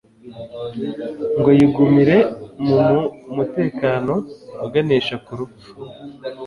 ngo yigumire mu mu mutekano uganisha ku rupfu.